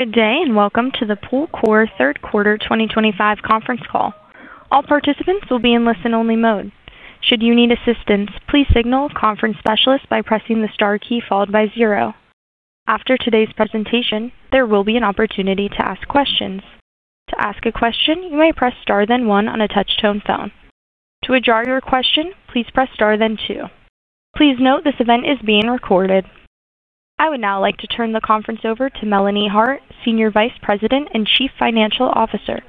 Today, and welcome to the Pool Corporation third quarter 2025 conference call. All participants will be in listen-only mode. Should you need assistance, please signal a conference specialist by pressing the star key followed by zero. After today's presentation, there will be an opportunity to ask questions. To ask a question, you may press star then one on a touch-tone phone. To address your question, please press star then two. Please note this event is being recorded. I would now like to turn the conference over to Melanie M. Hart, Senior Vice President and Chief Financial Officer.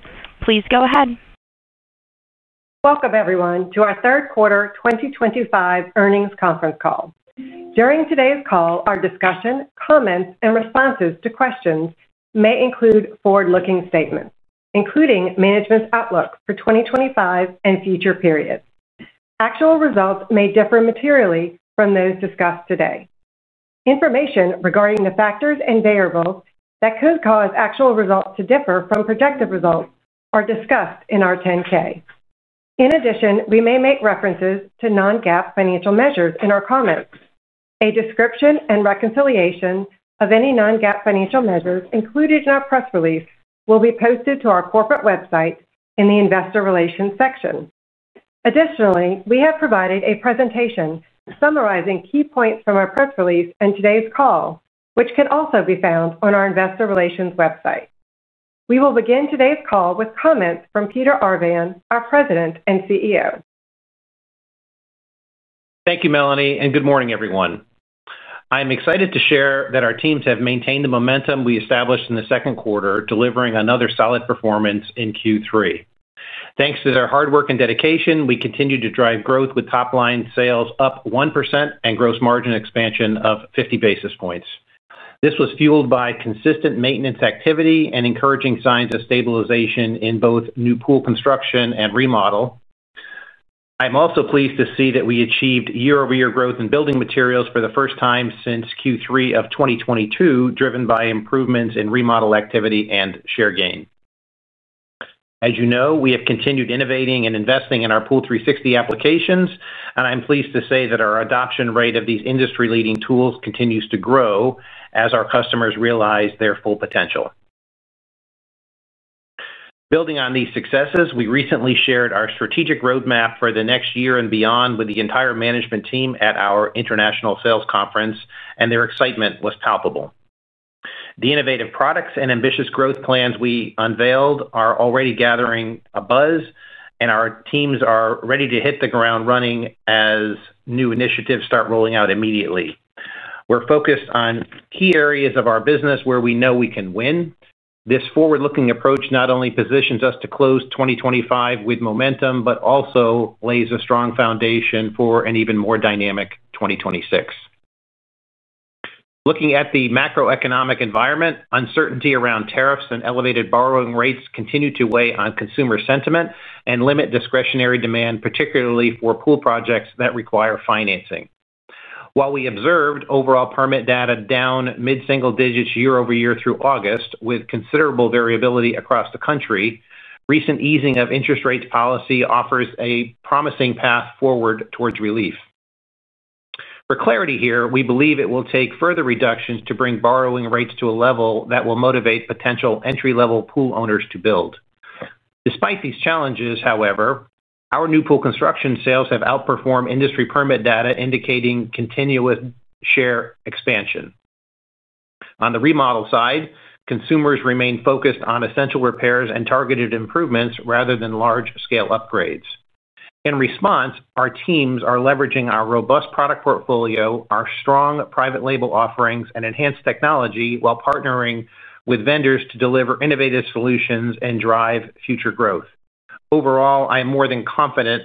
Please go ahead. Welcome, everyone, to our third quarter 2025 earnings conference call. During today's call, our discussion, comments, and responses to questions may include forward-looking statements, including management's outlook for 2025 and future periods. Actual results may differ materially from those discussed today. Information regarding the factors and variables that could cause actual results to differ from projected results are discussed in our 10-K. In addition, we may make references to non-GAAP financial measures in our comments. A description and reconciliation of any non-GAAP financial measures included in our press release will be posted to our corporate website in the Investor Relations section. Additionally, we have provided a presentation summarizing key points from our press release and today's call, which can also be found on our Investor Relations website. We will begin today's call with comments from Peter D. Arvan, our President and CEO. Thank you, Melanie, and good morning, everyone. I am excited to share that our teams have maintained the momentum we established in the second quarter, delivering another solid performance in Q3. Thanks to their hard work and dedication, we continue to drive growth with top-line sales up 1% and gross margin expansion of 50 basis points. This was fueled by consistent maintenance activity and encouraging signs of stabilization in both new pool construction and remodel. I am also pleased to see that we achieved year-over-year growth in building materials for the first time since Q3 of 2022, driven by improvements in remodel activity and share gain. As you know, we have continued innovating and investing in our POOL360 applications, and I am pleased to say that our adoption rate of these industry-leading tools continues to grow as our customers realize their full potential. Building on these successes, we recently shared our strategic roadmap for the next year and beyond with the entire management team at our International Sales Conference, and their excitement was palpable. The innovative products and ambitious growth plans we unveiled are already gathering a buzz, and our teams are ready to hit the ground running as new initiatives start rolling out immediately. We're focused on key areas of our business where we know we can win. This forward-looking approach not only positions us to close 2025 with momentum, but also lays a strong foundation for an even more dynamic 2026. Looking at the macroeconomic environment, uncertainty around tariffs and elevated borrowing rates continue to weigh on consumer sentiment and limit discretionary demand, particularly for pool projects that require financing. While we observed overall permit data down mid-single digits year over year through August, with considerable variability across the country, recent easing of interest rates policy offers a promising path forward towards relief. For clarity here, we believe it will take further reductions to bring borrowing rates to a level that will motivate potential entry-level pool owners to build. Despite these challenges, however, our new pool construction sales have outperformed industry permit data, indicating continuous share expansion. On the remodel side, consumers remain focused on essential repairs and targeted improvements rather than large-scale upgrades. In response, our teams are leveraging our robust product portfolio, our strong private label offerings, and enhanced technology while partnering with vendors to deliver innovative solutions and drive future growth. Overall, I am more than confident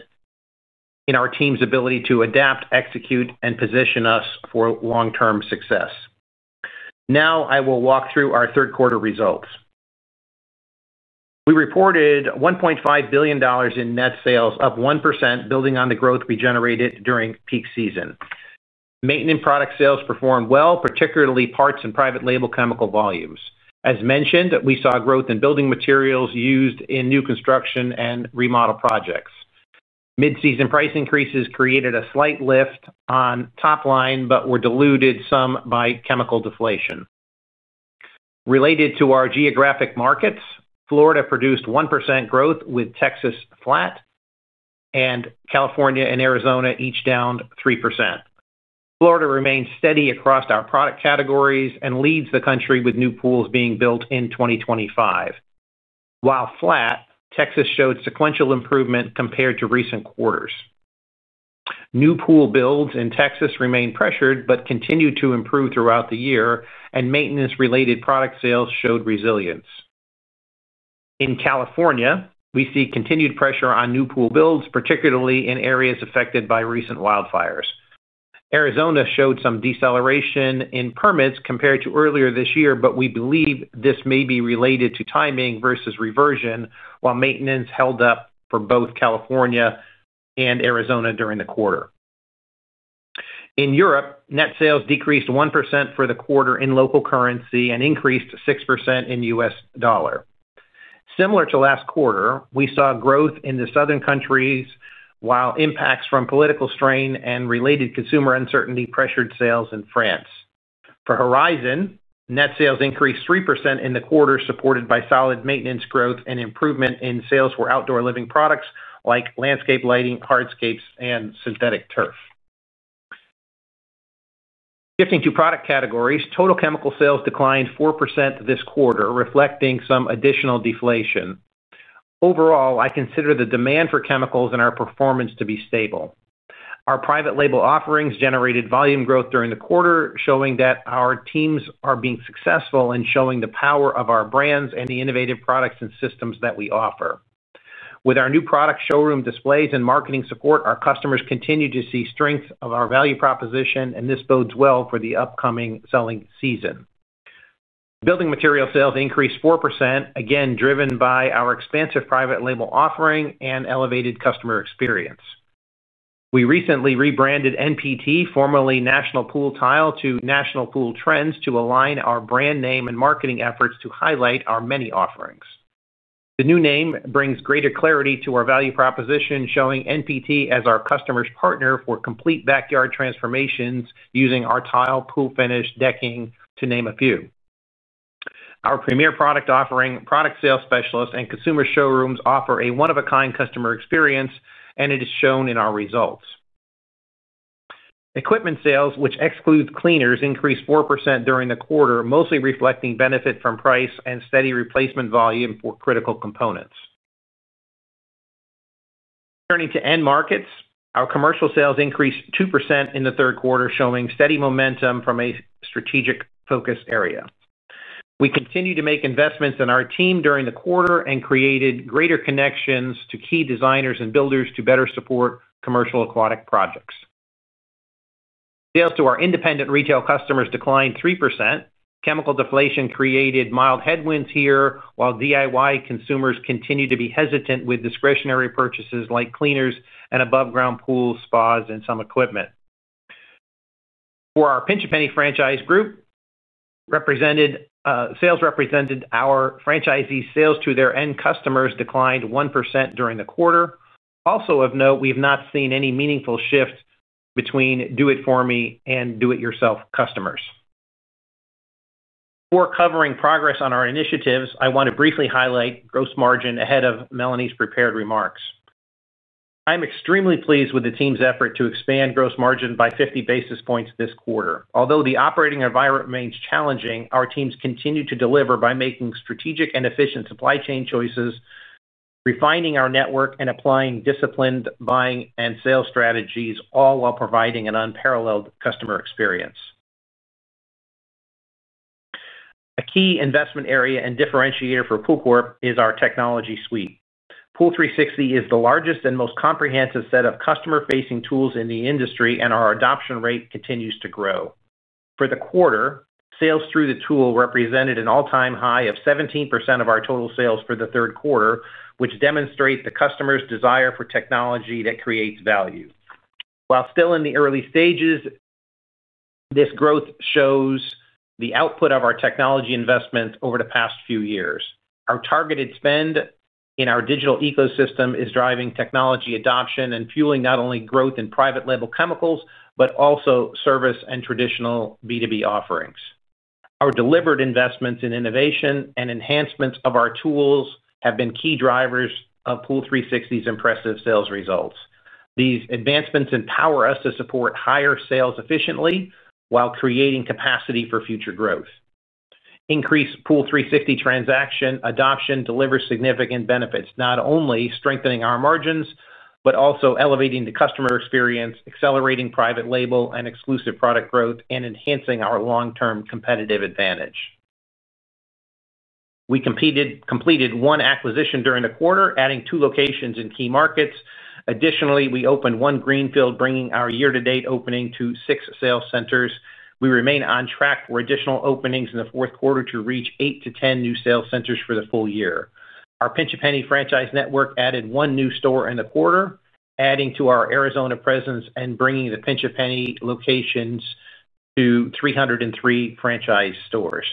in our team's ability to adapt, execute, and position us for long-term success. Now, I will walk through our third quarter results. We reported $1.5 billion in net sales, up 1%, building on the growth we generated during peak season. Maintenance product sales performed well, particularly parts and private label chemical volumes. As mentioned, we saw growth in building materials used in new construction and remodel projects. Mid-season price increases created a slight lift on top line, but were diluted some by chemical deflation. Related to our geographic markets, Florida produced 1% growth, with Texas flat, and California and Arizona each down 3%. Florida remains steady across our product categories and leads the country with new pools being built in 2025. While flat, Texas showed sequential improvement compared to recent quarters. New pool builds in Texas remain pressured but continue to improve throughout the year, and maintenance-related product sales showed resilience. In California, we see continued pressure on new pool builds, particularly in areas affected by recent wildfires. Arizona showed some deceleration in permits compared to earlier this year, but we believe this may be related to timing versus reversion, while maintenance held up for both California and Arizona during the quarter. In Europe, net sales decreased 1% for the quarter in local currency and increased 6% in U.S. dollar. Similar to last quarter, we saw growth in the southern countries, while impacts from political strain and related consumer uncertainty pressured sales in France. For Horizon, net sales increased 3% in the quarter, supported by solid maintenance growth and improvement in sales for outdoor living products like landscape lighting, hardscapes, and synthetic turf. Shifting to product categories, total chemical sales declined 4% this quarter, reflecting some additional deflation. Overall, I consider the demand for chemicals and our performance to be stable. Our private label offerings generated volume growth during the quarter, showing that our teams are being successful and showing the power of our brands and the innovative products and systems that we offer. With our new product showroom displays and marketing support, our customers continue to see strength of our value proposition, and this bodes well for the upcoming selling season. Building materials sales increased 4%, again driven by our expansive private label offering and elevated customer experience. We recently rebranded NPT, formerly National Pool Tile, to National Pool Trends to align our brand name and marketing efforts to highlight our many offerings. The new name brings greater clarity to our value proposition, showing NPT as our customer's partner for complete backyard transformations using our tile, pool finish, decking, to name a few. Our premier product offering, product sales specialists, and consumer showrooms offer a one-of-a-kind customer experience, and it is shown in our results. Equipment sales, which exclude cleaners, increased 4% during the quarter, mostly reflecting benefit from price and steady replacement volume for critical components. Turning to end markets, our commercial sales increased 2% in the third quarter, showing steady momentum from a strategic focus area. We continue to make investments in our team during the quarter and created greater connections to key designers and builders to better support commercial aquatic projects. Sales to our independent retail customers declined 3%. Chemical deflation created mild headwinds here, while DIY consumers continue to be hesitant with discretionary purchases like cleaners and above-ground pools, spas, and some equipment. For our Pinch A Penny Franchise group, sales represented our franchisees' sales to their end customers declined 1% during the quarter. Also, of note, we have not seen any meaningful shift between do-it-for-me and do-it-yourself customers. For covering progress on our initiatives, I want to briefly highlight gross margin ahead of Melanie's prepared remarks. I am extremely pleased with the team's effort to expand gross margin by 50 basis points this quarter. Although the operating environment remains challenging, our teams continue to deliver by making strategic and efficient supply chain choices, refining our network, and applying disciplined buying and sales strategies, all while providing an unparalleled customer experience. A key investment area and differentiator for Pool Corporation is our technology suite. POOL360 is the largest and most comprehensive set of customer-facing tools in the industry, and our adoption rate continues to grow. For the quarter, sales through the tool represented an all-time high of 17% of our total sales for the third quarter, which demonstrates the customer's desire for technology that creates value. While still in the early stages, this growth shows the output of our technology investment over the past few years. Our targeted spend in our digital ecosystem is driving technology adoption and fueling not only growth in private label chemical products but also service and traditional B2B offerings. Our deliberate investments in innovation and enhancements of our tools have been key drivers of POOL360's impressive sales results. These advancements empower us to support higher sales efficiently while creating capacity for future growth. Increased POOL360 transaction adoption delivers significant benefits, not only strengthening our margins but also elevating the customer experience, accelerating private label and exclusive product growth, and enhancing our long-term competitive advantage. We completed one acquisition during the quarter, adding two locations in key markets. Additionally, we opened one greenfield, bringing our year-to-date opening to six sales centers. We remain on track for additional openings in the fourth quarter to each eighht to 10 new sales centers for the full year. Our Pinch A Penny Franchise network added one new store in the quarter, adding to our Arizona presence and bringing the Pinch A Penny locations to 303 franchise stores.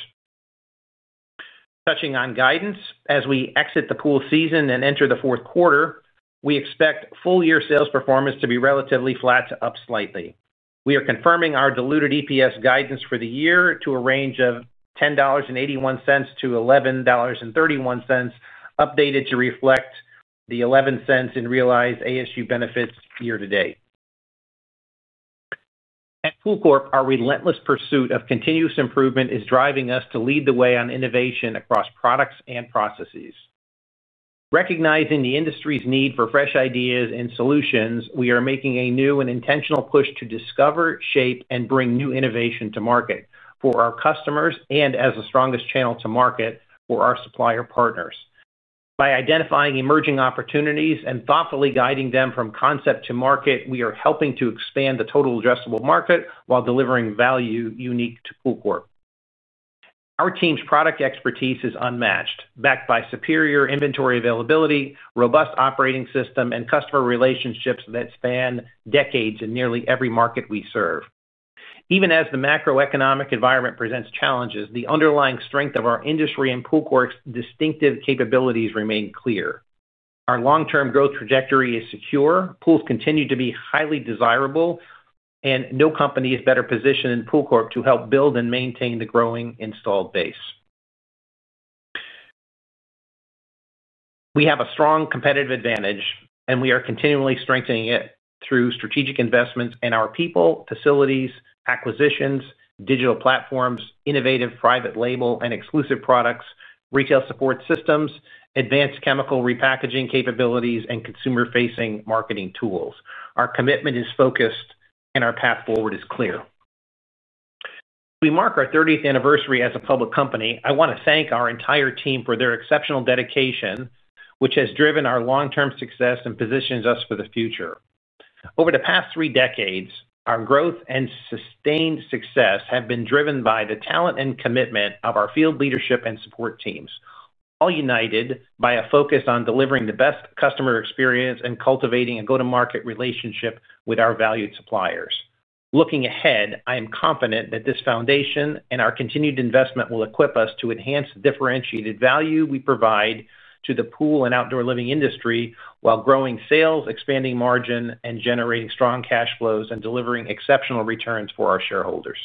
Touching on guidance, as we exit the pool season and enter the fourth quarter, we expect full-year sales performance to be relatively flat to up slightly. We are confirming our diluted EPS guidance for the year to a range of $10.81-$11.31, updated to reflect the $0.11 in realized ASU benefits year to date. At Pool Corporation, our relentless pursuit of continuous improvement is driving us to lead the way on innovation across products and processes. Recognizing the industry's need for fresh ideas and solutions, we are making a new and intentional push to discover, shape, and bring new innovation to market for our customers and as the strongest channel to market for our supplier partners. By identifying emerging opportunities and thoughtfully guiding them from concept to market, we are helping to expand the total addressable market while delivering value unique to Pool Corporation. Our team's product expertise is unmatched, backed by superior inventory availability, robust operating system, and customer relationships that span decades in nearly every market we serve. Even as the macroeconomic environment presents challenges, the underlying strength of our industry and Pool Corporation's distinctive capabilities remain clear. Our long-term growth trajectory is secure, pools continue to be highly desirable, and no company is better positioned than Pool Corporation to help build and maintain the growing installed base. We have a strong competitive advantage, and we are continually strengthening it through strategic investments in our people, facilities, acquisitions, digital platforms, innovative private label and exclusive products, retail support systems, advanced chemical repackaging capabilities, and consumer-facing marketing tools. Our commitment is focused, and our path forward is clear. As we mark our 30th anniversary as a public company, I want to thank our entire team for their exceptional dedication, which has driven our long-term success and positions us for the future. Over the past three decades, our growth and sustained success have been driven by the talent and commitment of our field leadership and support teams, all united by a focus on delivering the best customer experience and cultivating a go-to-market relationship with our valued suppliers. Looking ahead, I am confident that this foundation and our continued investment will equip us to enhance the differentiated value we provide to the pool and outdoor living industry while growing sales, expanding margin, and generating strong cash flows and delivering exceptional returns for our shareholders.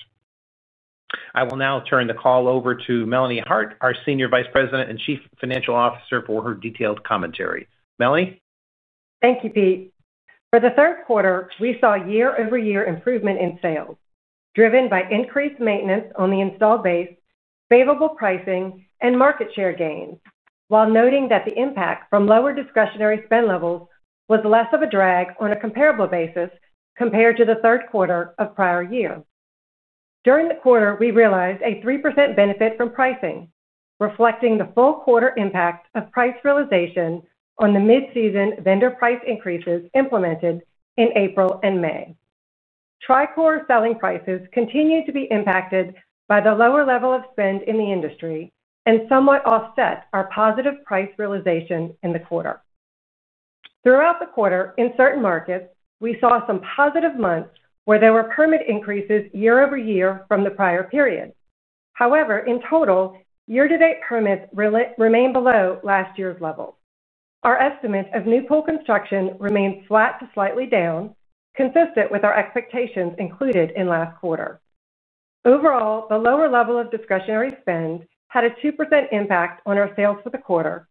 I will now turn the call over to Melanie M. Hart, our Senior Vice President and Chief Financial Officer, for her detailed commentary. Melanie? Thank you, Pete. For the third quarter, we saw year-over-year improvement in sales, driven by increased maintenance on the installed base, favorable pricing, and market share gains, while noting that the impact from lower discretionary spend levels was less of a drag on a comparable basis compared to the third quarter of prior year. During the quarter, we realized a 3% benefit from pricing, reflecting the full quarter impact of price realization on the mid-season vendor price increases implemented in April and May. TriCore selling prices continue to be impacted by the lower level of spend in the industry and somewhat offset our positive price realization in the quarter. Throughout the quarter, in certain markets, we saw some positive months where there were permit increases year over year from the prior period. However, in total, year-to-date permits remain below last year's levels. Our estimates of new pool construction remained flat to slightly down, consistent with our expectations included in last quarter. Overall, the lower level of discretionary spend had a 2% impact on our sales for the quarter,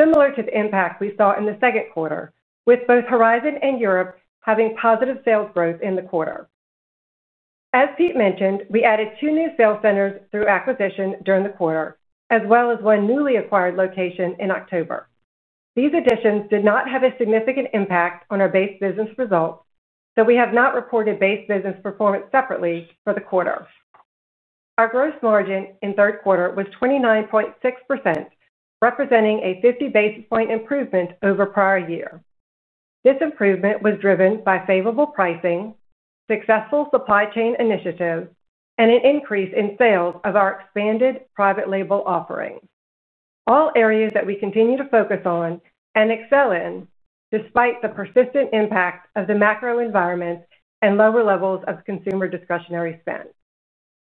similar to the impact we saw in the second quarter, with both Horizon and Europe having positive sales growth in the quarter. As Pete mentioned, we added two new sales centers through acquisition during the quarter, as well as one newly acquired location in October. These additions did not have a significant impact on our base business results, so we have not reported base business performance separately for the quarter. Our gross margin in third quarter was 29.6%, representing a 50 basis point improvement over prior year. This improvement was driven by favorable pricing, successful supply chain initiatives, and an increase in sales of our expanded private label offerings, all areas that we continue to focus on and excel in despite the persistent impact of the macro environments and lower levels of consumer discretionary spend.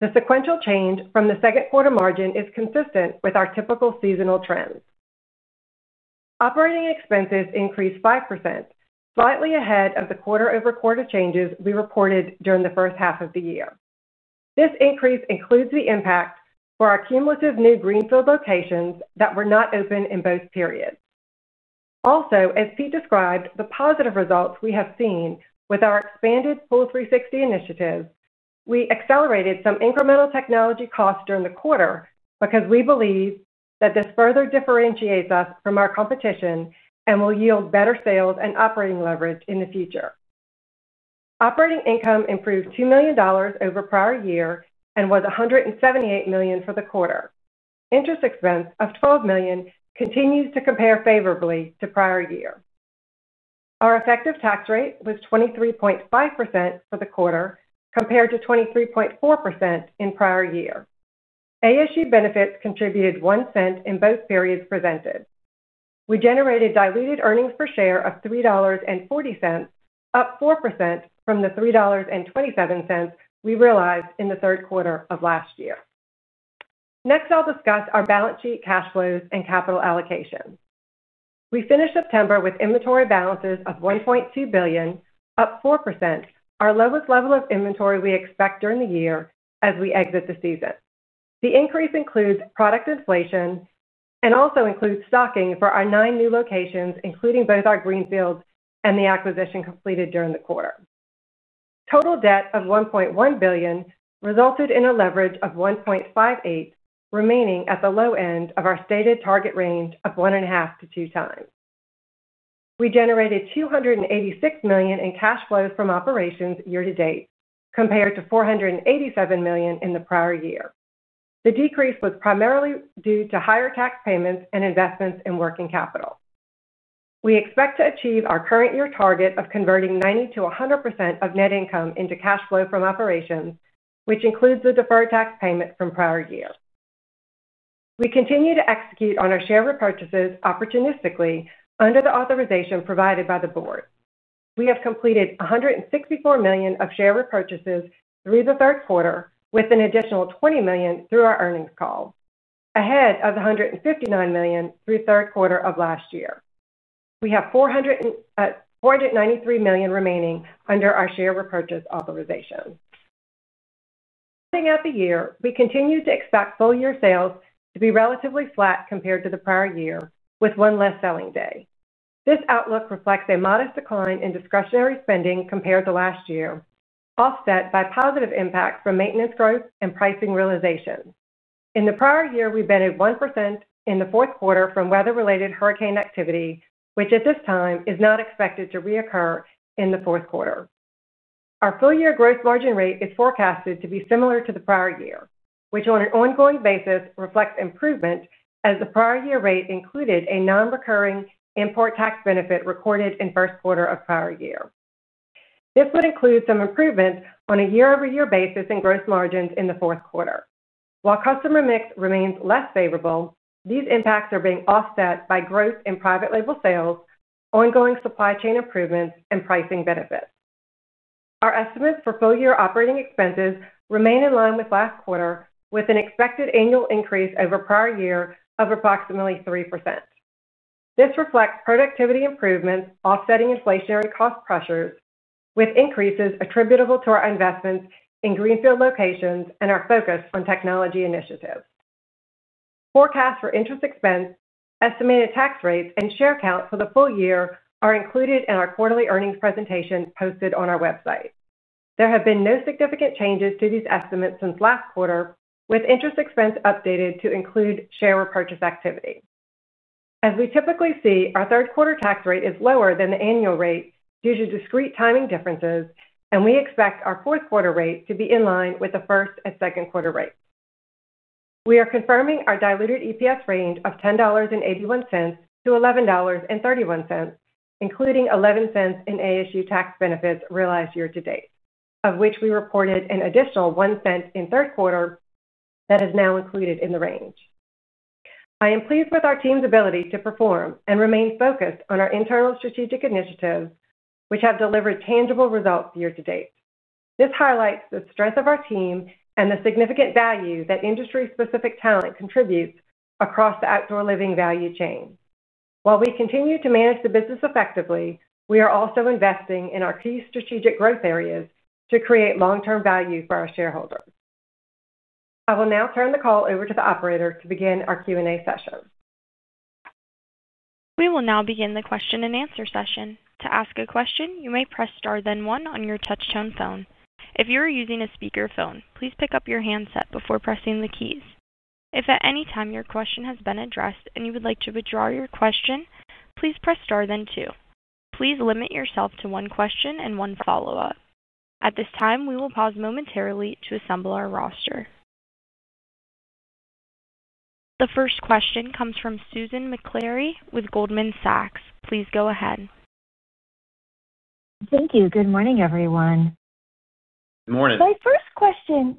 The sequential change from the second quarter margin is consistent with our typical seasonal trends. Operating expenses increased 5%, slightly ahead of the quarter-over-quarter changes we reported during the first half of the year. This increase includes the impact for our cumulative new greenfield locations that were not open in both periods. Also, as Pete described, the positive results we have seen with our expanded POOL360 initiatives, we accelerated some incremental technology costs during the quarter because we believe that this further differentiates us from our competition and will yield better sales and operating leverage in the future. Operating income improved $2 million over prior year and was $178 million for the quarter. Interest expense of $12 million continues to compare favorably to prior year. Our effective tax rate was 23.5% for the quarter compared to 23.4% in prior year. ASU benefits contributed $0.01 in both periods presented. We generated diluted EPS of $3.40, up 4% from the $3.27 we realized in the third quarter of last year. Next, I'll discuss our balance sheet, cash flows, and capital allocation. We finished September with inventory balances of $1.2 billion, up 4%, our lowest level of inventory we expect during the year as we exit the season. The increase includes product inflation and also includes stocking for our nine new locations, including both our greenfields and the acquisition completed during the quarter. Total debt of $1.1 billion resulted in a leverage of 1.58, remaining at the low end of our stated target range of 1.5 to 2 times. We generated $286 million in cash flows from operations year to date, compared to $487 million in the prior year. The decrease was primarily due to higher tax payments and investments in working capital. We expect to achieve our current year target of converting 90% to 100% of net income into cash flow from operations, which includes the deferred tax payment from prior year. We continue to execute on our share repurchases opportunistically under the authorization provided by the board. We have completed $164 million of share repurchases through the third quarter, with an additional $20 million through our earnings call, ahead of $159 million through the third quarter of last year. We have $493 million remaining under our share repurchase authorization. Rounding out the year, we continue to expect full-year sales to be relatively flat compared to the prior year, with one less selling day. This outlook reflects a modest decline in discretionary spending compared to last year, offset by positive impacts from maintenance growth and pricing realization. In the prior year, we benefited 1% in the fourth quarter from weather-related hurricane activity, which at this time is not expected to reoccur in the fourth quarter. Our full-year gross margin rate is forecasted to be similar to the prior year, which on an ongoing basis reflects improvement as the prior year rate included a non-recurring import tax benefit recorded in the first quarter of prior year. This would include some improvements on a year-over-year basis in gross margins in the fourth quarter. While customer mix remains less favorable, these impacts are being offset by growth in private label sales, ongoing supply chain improvements, and pricing benefits. Our estimates for full-year operating expenses remain in line with last quarter, with an expected annual increase over prior year of approximately 3%. This reflects productivity improvements offsetting inflationary cost pressures, with increases attributable to our investments in greenfield locations and our focus on technology initiatives. Forecasts for interest expense, estimated tax rates, and share count for the full year are included in our quarterly earnings presentation posted on our website. There have been no significant changes to these estimates since last quarter, with interest expense updated to include share repurchase activity. As we typically see, our third quarter tax rate is lower than the annual rate due to discrete timing differences, and we expect our fourth quarter rate to be in line with the first and second quarter rates. We are confirming our diluted EPS range of $10.81-$11.31, including $0.11 in ASU tax benefits realized year to date, of which we reported an additional $0.01 in third quarter that is now included in the range. I am pleased with our team's ability to perform and remain focused on our internal strategic initiatives, which have delivered tangible results year-to-date. This highlights the strength of our team and the significant value that industry-specific talent contributes across the outdoor living value chain. While we continue to manage the business effectively, we are also investing in our key strategic growth areas to create long-term value for our shareholders. I will now turn the call over to the operator to begin our Q&A session. We will now begin the question and answer session. To ask a question, you may press star, then one, on your touch-tone phone. If you are using a speaker phone, please pick up your handset before pressing the keys. If at any time your question has been addressed and you would like to withdraw your question, please press star, then two. Please limit yourself to one question and one follow-up. At this time, we will pause momentarily to assemble our roster. The first question comes from Susan Marie Maklari with Goldman Sachs Group Inc. Please go ahead. Thank you. Good morning, everyone. Good morning. My first question,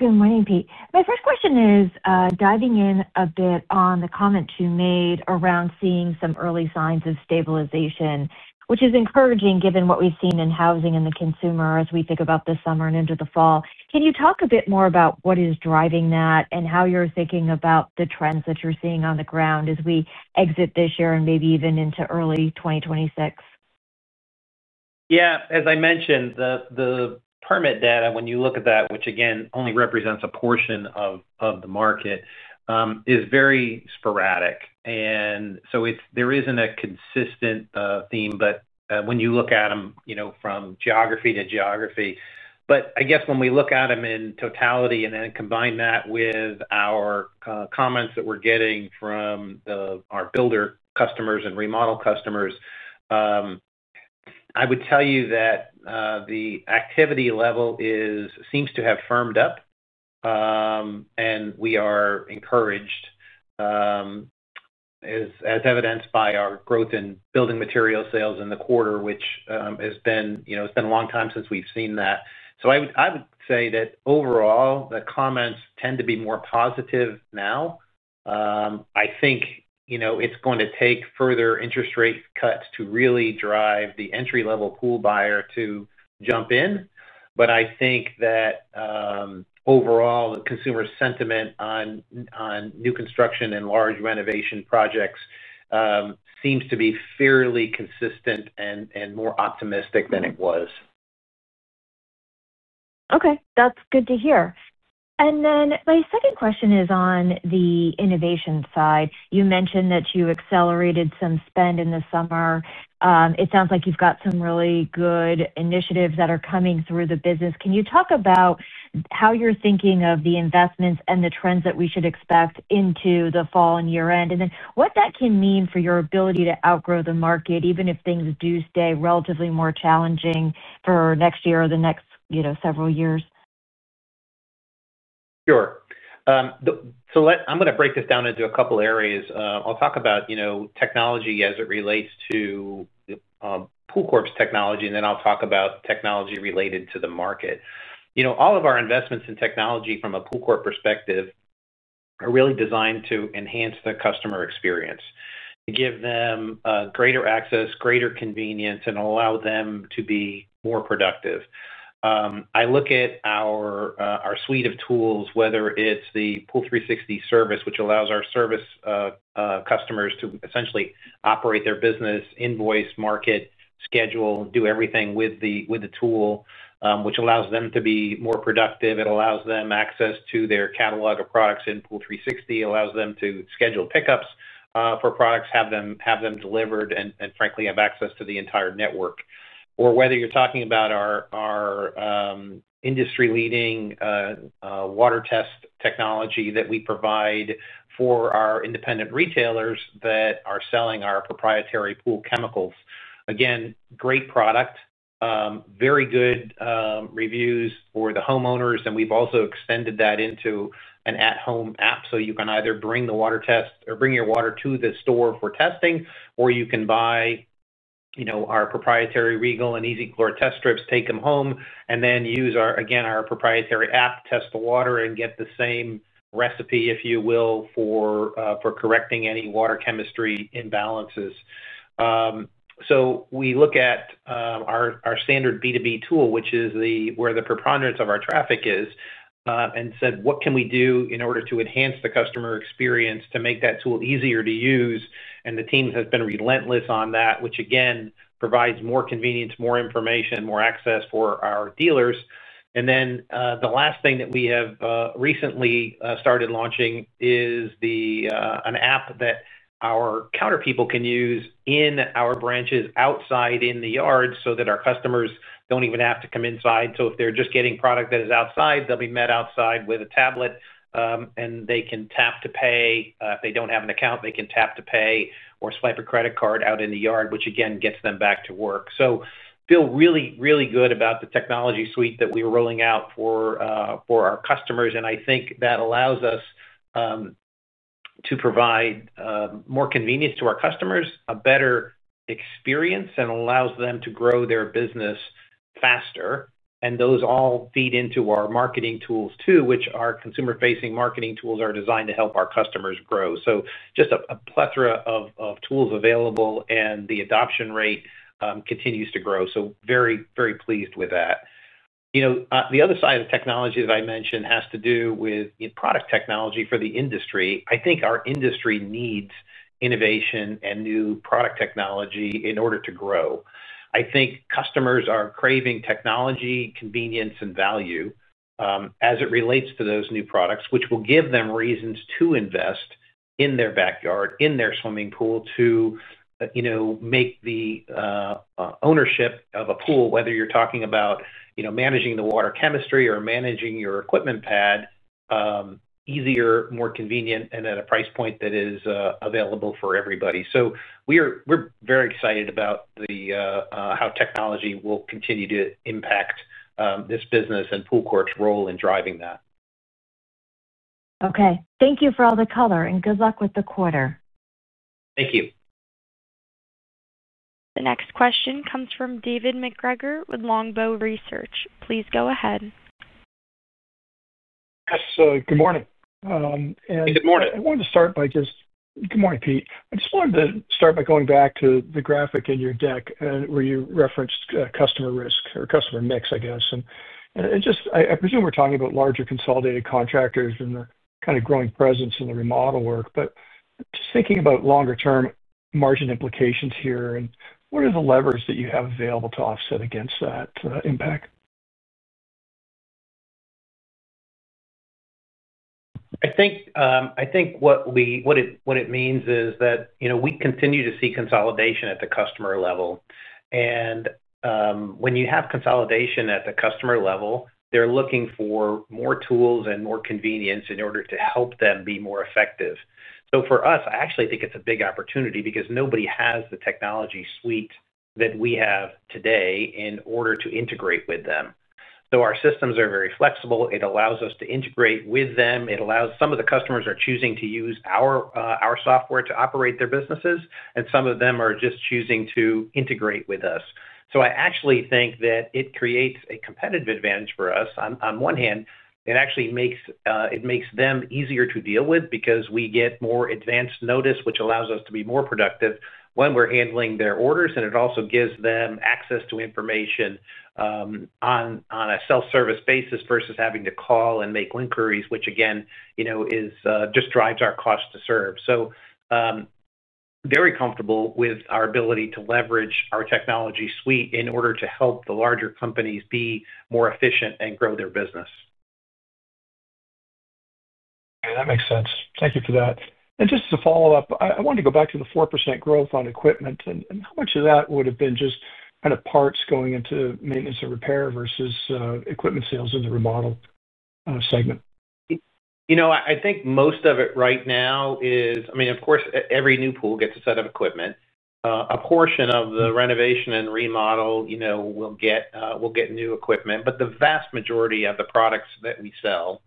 good morning, Pete. My first question is diving in a bit on the comments you made around seeing some early signs of stabilization, which is encouraging given what we've seen in housing and the consumer as we think about the summer and into the fall. Can you talk a bit more about what is driving that and how you're thinking about the trends that you're seeing on the ground as we exit this year and maybe even into early 2026? Yeah. As I mentioned, the permit data, when you look at that, which again only represents a portion of the market, is very sporadic. There isn't a consistent theme when you look at them from geography to geography. I guess when we look at them in totality and then combine that with our comments that we're getting from our builder customers and remodel customers, I would tell you that the activity level seems to have firmed up, and we are encouraged, as evidenced by our growth in building materials sales in the quarter, which has been a long time since we've seen that. I would say that overall, the comments tend to be more positive now. I think it's going to take further interest rate cuts to really drive the entry-level pool buyer to jump in. I think that overall, the consumer sentiment on new construction and large renovation projects seems to be fairly consistent and more optimistic than it was. Okay. That's good to hear. My second question is on the innovation side. You mentioned that you accelerated some spend in the summer. It sounds like you've got some really good initiatives that are coming through the business. Can you talk about how you're thinking of the investments and the trends that we should expect into the fall and year-end, and what that can mean for your ability to outgrow the market, even if things do stay relatively more challenging for next year or the next several years? Sure. I'm going to break this down into a couple of areas. I'll talk about technology as it relates to Pool Corporation's technology, and then I'll talk about technology related to the market. All of our investments in technology from a Pool Corporation perspective are really designed to enhance the customer experience and give them greater access, greater convenience, and allow them to be more productive. I look at our suite of tools, whether it's the POOL360 platform, which allows our service customers to essentially operate their business, invoice, market, schedule, and do everything with the tool, which allows them to be more productive. It allows them access to their catalog of products in POOL360. It allows them to schedule pickups for products, have them delivered, and, frankly, have access to the entire network. Whether you're talking about our industry-leading water test technology that we provide for our independent retailers that are selling our proprietary pool chemicals, again, great product, very good reviews for the homeowners, and we've also extended that into an at-home app. You can either bring the water test or bring your water to the store for testing, or you can buy our proprietary Regal and Easy Chlor test strips, take them home, and then use our proprietary app, test the water, and get the same recipe, if you will, for correcting any water chemistry imbalances. We look at our standard B2B tool, which is where the preponderance of our traffic is, and said, "What can we do in order to enhance the customer experience to make that tool easier to use?" The team has been relentless on that, which again provides more convenience, more information, and more access for our dealers. The last thing that we have recently started launching is an app that our counter people can use in our branches outside in the yard so that our customers don't even have to come inside. If they're just getting product that is outside, they'll be met outside with a tablet, and they can tap to pay. If they don't have an account, they can tap to pay or swipe a credit card out in the yard, which again gets them back to work. I feel really, really good about the technology suite that we are rolling out for our customers. I think that allows us to provide more convenience to our customers, a better experience, and allows them to grow their business faster. Those all feed into our marketing tools, too, which are consumer-facing marketing tools that are designed to help our customers grow. Just a plethora of tools available, and the adoption rate continues to grow. Very, very pleased with that. The other side of technology that I mentioned has to do with product technology for the industry. I think our industry needs innovation and new product technology in order to grow. I think customers are craving technology, convenience, and value as it relates to those new products, which will give them reasons to invest in their backyard, in their swimming pool, to make the ownership of a pool, whether you're talking about managing the water chemistry or managing your equipment pad, easier, more convenient, and at a price point that is available for everybody. We're very excited about how technology will continue to impact this business and Pool Corporation's role in driving that. Okay. Thank you for all the color, and good luck with the quarter. Thank you. The next question comes from David McGregor with Longbow Research. Please go ahead. Yes, good morning. Good morning. Good morning, Pete. I just wanted to start by going back to the graphic in your deck where you referenced customer risk or customer mix, I guess. I presume we're talking about larger consolidated contractors and the kind of growing presence in the remodel work. Just thinking about longer-term margin implications here, what are the levers that you have available to offset against that impact? I think what it means is that we continue to see consolidation at the customer level. When you have consolidation at the customer level, they're looking for more tools and more convenience in order to help them be more effective. For us, I actually think it's a big opportunity because nobody has the technology suite that we have today in order to integrate with them. Our systems are very flexible. It allows us to integrate with them. Some of the customers are choosing to use our software to operate their businesses, and some of them are just choosing to integrate with us. I actually think that it creates a competitive advantage for us. On one hand, it actually makes them easier to deal with because we get more advanced notice, which allows us to be more productive when we're handling their orders. It also gives them access to information on a self-service basis versus having to call and make inquiries, which again just drives our cost to serve. I am very comfortable with our ability to leverage our technology suite in order to help the larger companies be more efficient and grow their business. Okay. That makes sense. Thank you for that. Just as a follow-up, I wanted to go back to the 4% growth on equipment and how much of that would have been just kind of parts going into maintenance and repair versus equipment sales in the remodel segment. You know. I think most of it right now is, I mean, of course, every new pool gets a set of equipment. A portion of the renovation and remodel, you know, will get new equipment. The vast majority of the products that we sell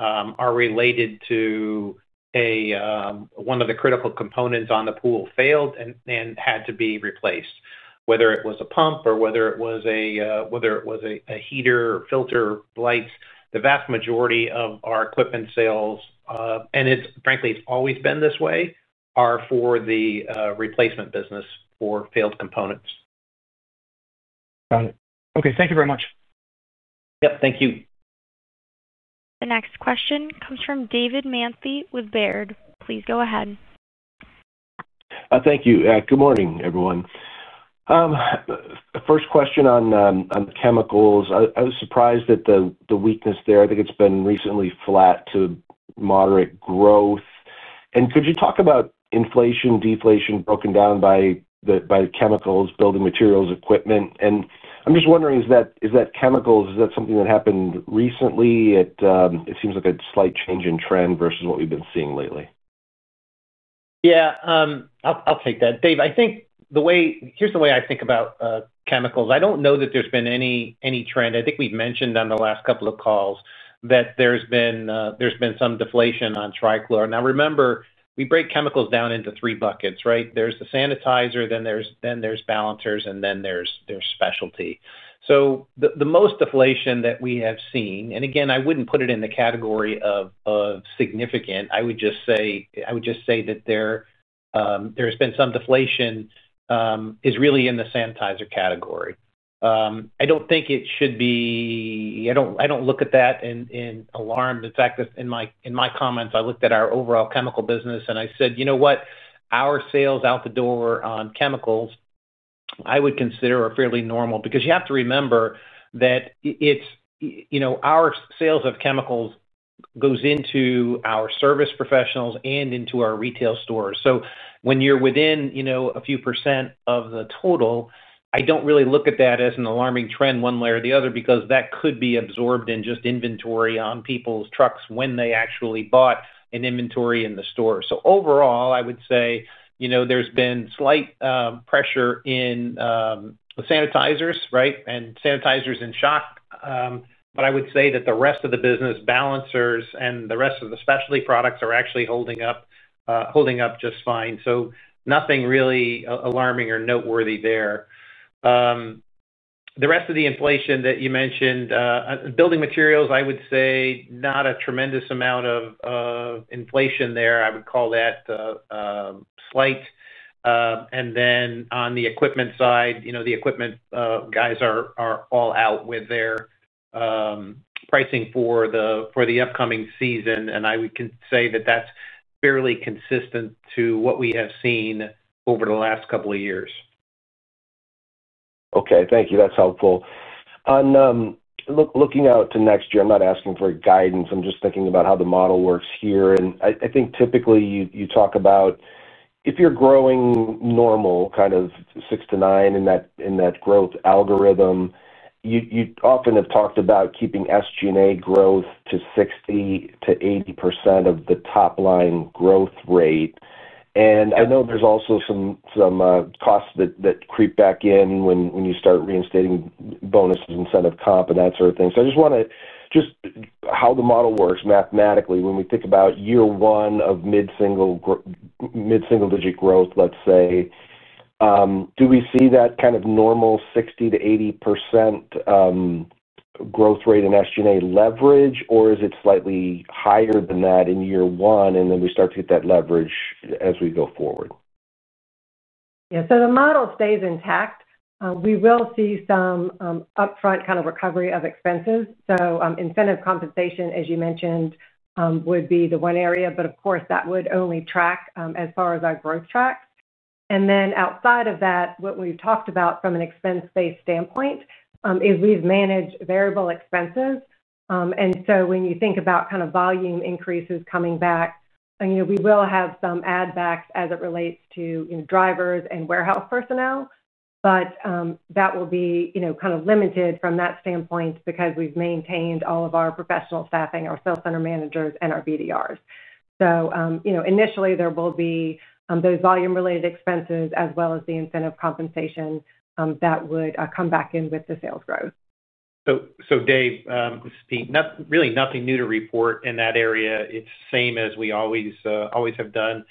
are related to one of the critical components on the pool failed and had to be replaced, whether it was a pump or whether it was a heater or filter or lights. The vast majority of our equipment sales, and it's frankly, it's always been this way, are for the replacement business for failed components. Got it. Okay, thank you very much. Thank you. The next question comes from David John Manthey with Robert W. Baird & Co. Incorporated. Please go ahead. Thank you. Good morning, everyone. First question on the chemicals. I was surprised at the weakness there. I think it's been recently flat to moderate growth. Could you talk about inflation, deflation broken down by the chemicals, building materials, equipment? I'm just wondering, is that chemicals, is that something that happened recently? It seems like a slight change in trend versus what we've been seeing lately. Yeah. I'll take that. Dave, I think the way, here's the way I think about chemicals. I don't know that there's been any trend. I think we've mentioned on the last couple of calls that there's been some deflation on Trichlor. Now, remember, we break chemicals down into three buckets, right? There's the sanitizer, then there's balancers, and then there's specialty. The most deflation that we have seen, and again, I wouldn't put it in the category of significant. I would just say that there's been some deflation, is really in the sanitizer category. I don't think it should be, I don't look at that in alarm. In fact, in my comments, I looked at our overall chemical business and I said, "You know what? Our sales out the door on chemicals, I would consider are fairly normal," because you have to remember that our sales of chemicals go into our service professionals and into our retail stores. When you're within a few percent of the total, I don't really look at that as an alarming trend one way or the other because that could be absorbed in just inventory on people's trucks when they actually bought an inventory in the store. Overall, I would say there's been slight pressure in the sanitizers, right, and sanitizers in shock. I would say that the rest of the business, balancers, and the rest of the specialty products are actually holding up just fine. Nothing really alarming or noteworthy there. The rest of the inflation that you mentioned, building materials, I would say not a tremendous amount of inflation there. I would call that slight. On the equipment side, you know, the equipment guys are all out with their pricing for the upcoming season. I would say that that's fairly consistent to what we have seen over the last couple of years. Okay. Thank you. That's helpful. Looking out to next year, I'm not asking for guidance. I'm just thinking about how the model works here. I think typically you talk about if you're growing normal, kind of 6 to 9 in that growth algorithm, you often have talked about keeping SG&A growth to 60%-80% of the top line growth rate. I know there's also some costs that creep back in when you start reinstating bonus incentive comp and that sort of thing. I just want to understand how the model works mathematically. When we think about year one of mid-single-digit growth, let's say, do we see that kind of normal 60%-80% growth rate in SG&A leverage, or is it slightly higher than that in year one, and then we start to get that leverage as we go forward? Yeah. The model stays intact. We will see some upfront kind of recovery of expenses. Incentive compensation, as you mentioned, would be the one area. Of course, that would only track as far as our growth tracks. Outside of that, what we've talked about from an expense-based standpoint is we've managed variable expenses. When you think about kind of volume increases coming back, we will have some add-backs as it relates to drivers and warehouse personnel. That will be kind of limited from that standpoint because we've maintained all of our professional staffing, our Sales Center Managers, and our BDRs. Initially, there will be those volume-related expenses as well as the incentive compensation that would come back in with the sales growth. Dave, this is Pete. Really, nothing new to report in that area. It's the same as we always have done.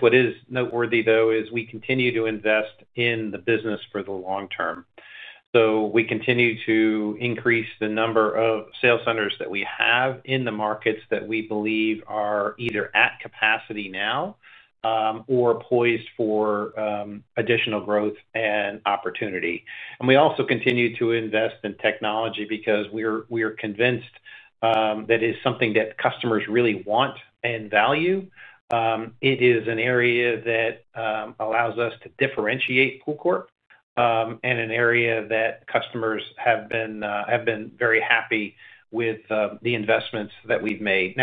What is noteworthy, though, is we continue to invest in the business for the long term. We continue to increase the number of sales centers that we have in the markets that we believe are either at capacity now or poised for additional growth and opportunity. We also continue to invest in technology because we are convinced that it is something that customers really want and value. It is an area that allows us to differentiate Pool Corporation and an area that customers have been very happy with the investments that we've made.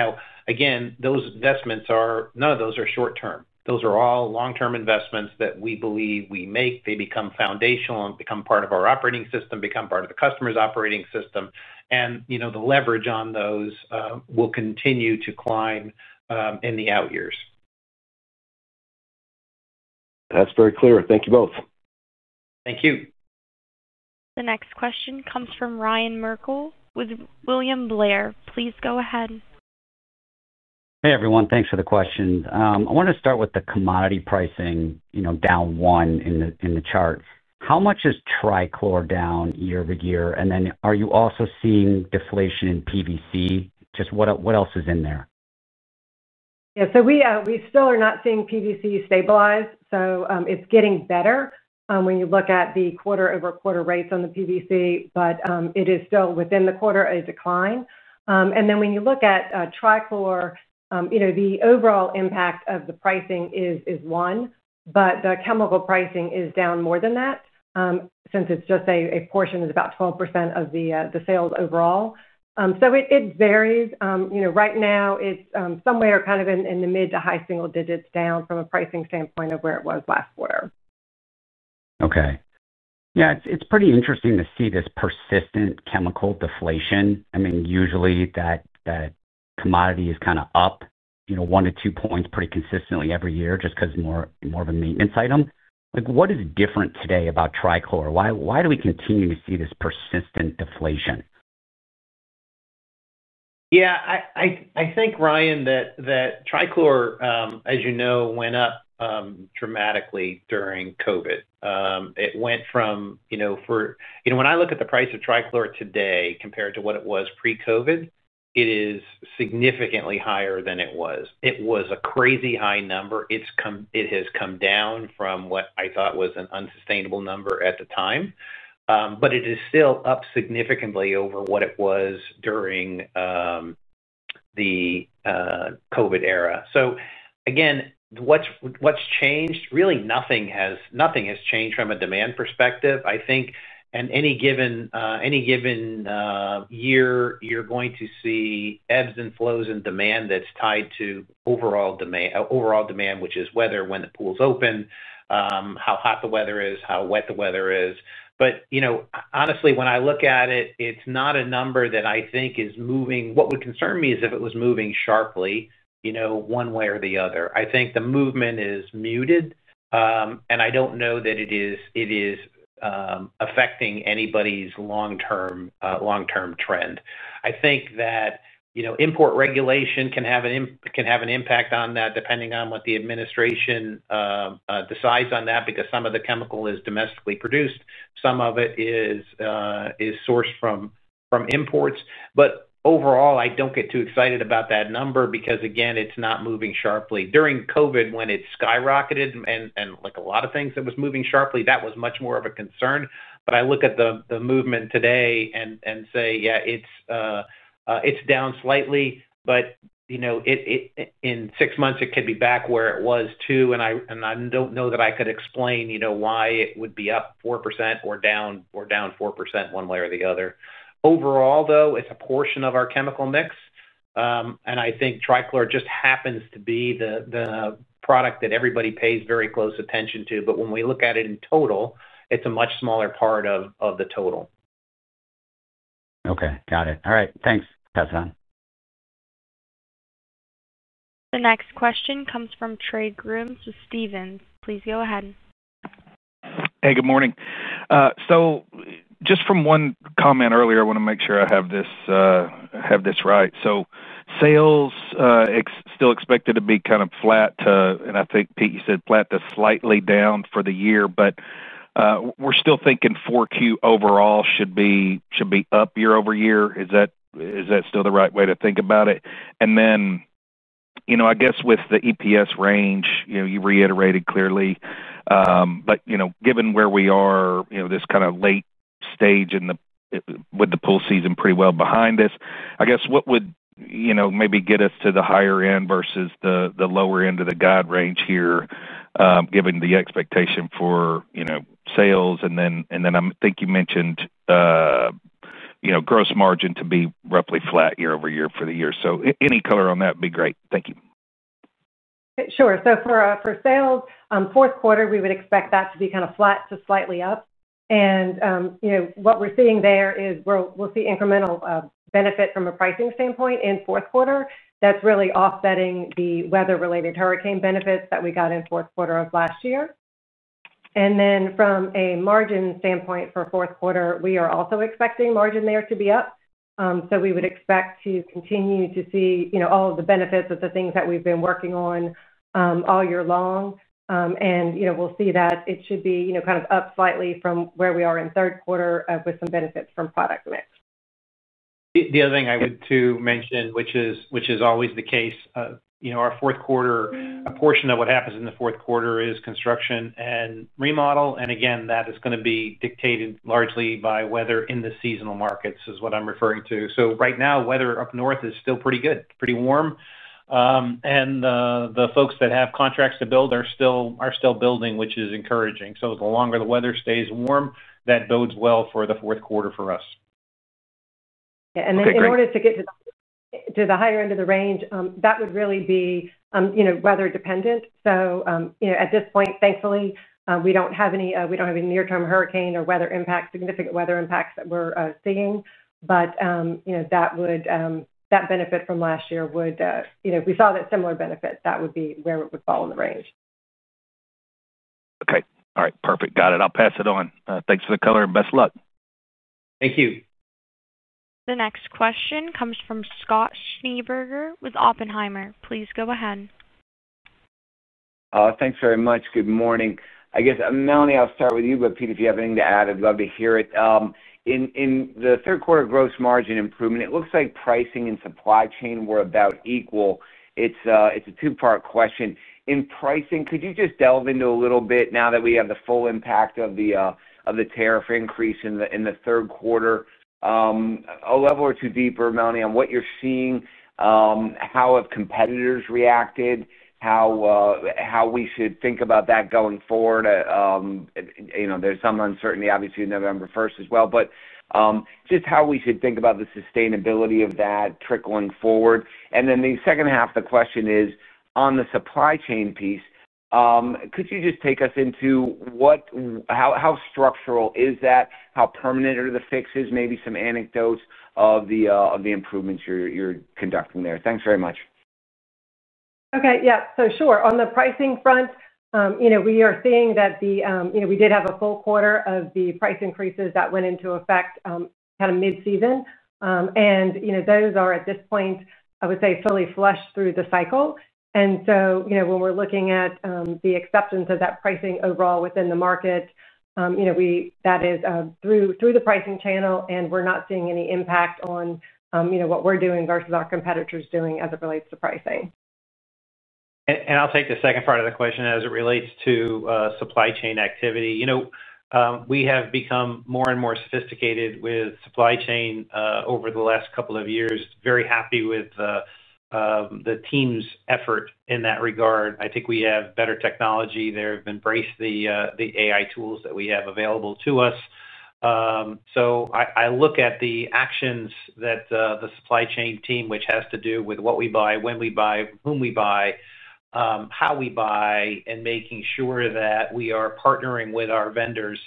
Again, those investments, none of those are short term. Those are all long-term investments that we believe we make. They become foundational and become part of our operating system, become part of the customer's operating system. And the leverage on those will continue to climb in the out years. That's very clear. Thank you both. Thank you. The next question comes from Ryan Merkel with William Blair. Please go ahead. Hey, everyone. Thanks for the question. I want to start with the commodity pricing, you know, down one in the chart. How much is Trichlor down year-over-year? Are you also seeing deflation in PVC? Just what else is in there? We still are not seeing PVC stabilize. It's getting better when you look at the quarter-over-quarter rates on the PVC, but it is still within the quarter of a decline. When you look at Trichlor, the overall impact of the pricing is one, but the chemical pricing is down more than that since it's just a portion of about 12% of the sales overall. It varies. Right now, it's somewhere kind of in the mid to high single digits down from a pricing standpoint of where it was last quarter. Okay. Yeah. It's pretty interesting to see this persistent chemical deflation. I mean, usually, that commodity is kind of up, you know, one to two points pretty consistently every year just because it's more of a maintenance item. Like, what is different today about Trichlor? Why do we continue to see this persistent deflation? Yeah. I think, Ryan, that Trichlor, as you know, went up dramatically during COVID. It went from, you know, when I look at the price of Trichlor today compared to what it was pre-COVID, it is significantly higher than it was. It was a crazy high number. It has come down from what I thought was an unsustainable number at the time. It is still up significantly over what it was during the COVID era. Again, what's changed? Really, nothing has changed from a demand perspective. I think in any given year, you're going to see ebbs and flows in demand that's tied to overall demand, which is weather, when the pool's open, how hot the weather is, how wet the weather is. Honestly, when I look at it, it's not a number that I think is moving. What would concern me is if it was moving sharply, one way or the other. I think the movement is muted. I don't know that it is affecting anybody's long-term trend. I think that import regulation can have an impact on that depending on what the administration decides on that because some of the chemical is domestically produced. Some of it is sourced from imports. Overall, I don't get too excited about that number because, again, it's not moving sharply. During COVID, when it skyrocketed and like a lot of things that was moving sharply, that was much more of a concern. I look at the movement today and say, yeah, it's down slightly. In six months, it could be back where it was, too. I don't know that I could explain why it would be up 4% or down 4% one way or the other. Overall, though, it's a portion of our chemical mix. I think trichlor just happens to be the product that everybody pays very close attention to. When we look at it in total, it's a much smaller part of the total. Okay. Got it. All right. Thanks, Kazan. The next question comes from Trey Grooms with Stephens Inc. Please go ahead. Hey, good morning. Just from one comment earlier, I want to make sure I have this right. Sales are still expected to be kind of flat to, and I think, Pete, you said flat to slightly down for the year. We're still thinking 4Q overall should be up year over year. Is that still the right way to think about it? I guess with the EPS range, you reiterated clearly. Given where we are, this kind of late stage with the pool season pretty well behind us, I guess what would maybe get us to the higher end versus the lower end of the guide range here, given the expectation for sales? I think you mentioned gross margin to be roughly flat year over year for the year. Any color on that would be great. Thank you. Sure. For sales, fourth quarter, we would expect that to be kind of flat to slightly up. What we're seeing there is we'll see incremental benefit from a pricing standpoint in fourth quarter. That's really offsetting the weather-related hurricane benefits that we got in fourth quarter of last year. From a margin standpoint for fourth quarter, we are also expecting margin there to be up. We would expect to continue to see all of the benefits of the things that we've been working on all year long. We'll see that it should be kind of up slightly from where we are in third quarter with some benefits from product mix. The other thing I would mention, which is always the case, our fourth quarter, a portion of what happens in the fourth quarter is construction and remodel. That is going to be dictated largely by weather in the seasonal markets is what I'm referring to. Right now, weather up north is still pretty good, pretty warm, and the folks that have contracts to build are still building, which is encouraging. The longer the weather stays warm, that bodes well for the fourth quarter for us. In order to get to the higher end of the range, that would really be weather dependent. At this point, thankfully, we don't have any near-term hurricane or significant weather impacts that we're seeing. That benefit from last year would, if we saw that similar benefit, that would be where it would fall in the range. Okay. All right. Perfect. Got it. I'll pass it on. Thanks for the color and best of luck. Thank you. The next question comes from Scott Andrew Schneeberger with Oppenheimer & Co. Inc. Please go ahead. Thanks very much. Good morning. I guess, Melanie, I'll start with you. Pete, if you have anything to add, I'd love to hear it. In the third quarter, gross margin improvement looks like pricing and supply chain were about equal. It's a two-part question. In pricing, could you just delve into a little bit now that we have the full impact of the tariff increase in the third quarter? A level or two deeper, Melanie, on what you're seeing, how have competitors reacted, how we should think about that going forward? You know, there's some uncertainty, obviously, in November 1st as well. Just how we should think about the sustainability of that trickling forward. The second half of the question is on the supply chain piece. Could you just take us into how structural is that, how permanent are the fixes, maybe some anecdotes of the improvements you're conducting there? Thanks very much. Okay. On the pricing front, we are seeing that we did have a full quarter of the price increases that went into effect kind of mid-season. Those are at this point, I would say, fully flushed through the cycle. When we're looking at the acceptance of that pricing overall within the market, that is through the pricing channel, and we're not seeing any impact on what we're doing versus our competitors doing as it relates to pricing. I'll take the second part of the question as it relates to supply chain activity. We have become more and more sophisticated with supply chain over the last couple of years. Very happy with the team's effort in that regard. I think we have better technology. They've embraced the AI tools that we have available to us. I look at the actions that the supply chain team, which has to do with what we buy, when we buy, whom we buy, how we buy, and making sure that we are partnering with our vendors